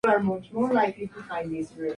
Junto a la playa hay varios hoteles y un camping.